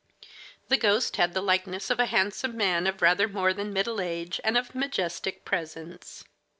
The ghost had the likeness of a handsome man of rather more than middle age and of majestic presence.